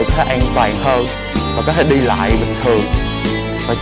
quên ăn kinh cướp